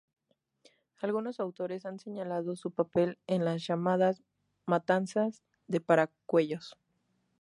Algunos autores han señalado su papel en las llamadas Matanzas de Paracuellos.